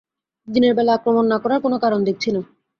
দিনের বেলা আক্রমণ না করার কোনো কারণ দেখছি না।